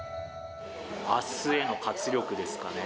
あすへの活力ですかね。